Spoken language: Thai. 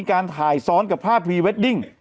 การถ่ายซ้อนกับภาพพรีเวดดิ้ง